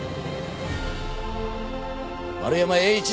丸山栄一。